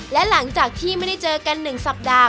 และหลังจากที่ไม่ได้เจอกัน๑สัปดาห์